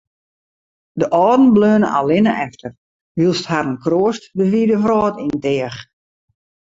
De âlden bleaune allinne efter, wylst harren kroast de wide wrâld yn teach.